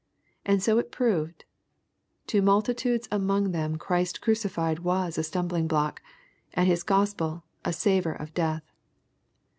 And so it proved. To multitudes among them Christ crucified was a stumbling block^ and His Gospel ^^ a savor of death."